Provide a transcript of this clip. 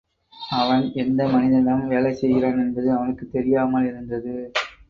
அவன் எந்த மனிதனிடம் வேலை செய்கிறான் என்பது அவனுக்குத் தெரியாமலிருந்தது.